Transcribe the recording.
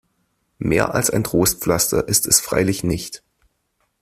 Mehr als ein Trostpflaster ist es freilich nicht.